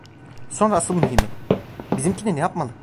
Sonra asıl mühimi: Bizimkini ne yapmalı?